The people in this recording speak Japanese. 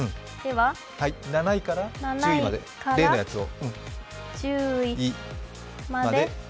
７位から１０位まで例のやつを。